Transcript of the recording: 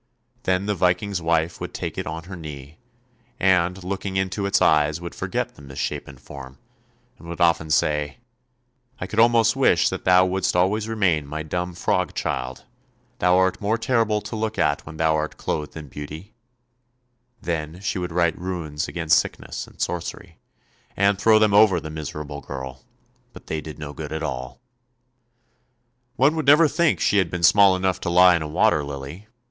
Then the Viking's wife would take it on her knee, and looking into its eyes would forget the misshapen form, and would often say, " I could almost wish that thou wouldst always remain my dumb frog child. Thou art more terrible to look at when thou art clothed in 288 ANDERSEN'S FAIRY TALES beauty." Then she would write Runes against sickness and sorcery, and throw them over the miserable girl, but they did no good at all. " One would never think that she had been small enough to lie in a water lily!